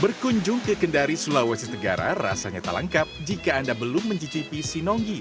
berkunjung ke kendari sulawesi tenggara rasanya tak lengkap jika anda belum mencicipi sinonggi